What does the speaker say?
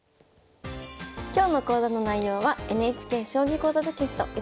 今日の講座の内容はＮＨＫ「将棋講座」テキスト